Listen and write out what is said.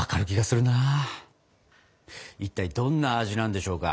いったいどんな味なんでしょうか？